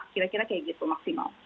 kira kira kayak gitu maksimal